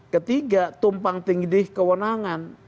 ketiga tumpang tinggi kewenangan